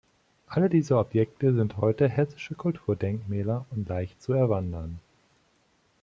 Alle diese Objekte sind heute hessische Kulturdenkmäler und leicht zu erwandern.